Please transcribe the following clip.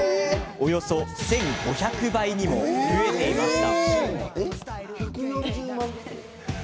およそ１５００倍にも増えていました。